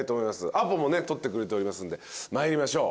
アポもね取ってくれておりますんで参りましょう。